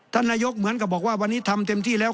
ท่านนายกเหมือนกับบอกว่าวันนี้ทำเต็มที่แล้ว